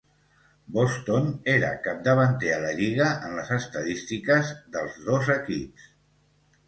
Boston era capdavanter a la lliga en les estadístiques dels dos equips.